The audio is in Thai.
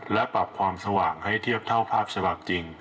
และปรับความสว่างให้เทียบเท่าภาพฉบับจริง